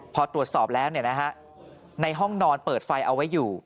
พอตรวจสอบแล้วในห้องนอนเปิดไฟเอาไว้อยู่